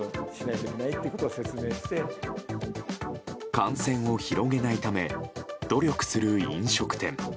感染を広げないため努力する飲食店。